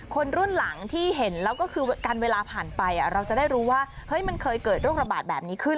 คนรุ่นหลังที่เห็นแล้วก็คือการเวลาผ่านไปเราจะได้รู้ว่ามันเคยเกิดโรคระบาดแบบนี้ขึ้น